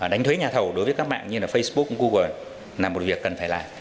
đánh thuế nhà thầu đối với các mạng như là facebook google là một việc cần phải làm